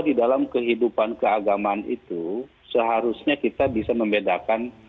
di dalam kehidupan keagamaan itu seharusnya kita bisa membedakan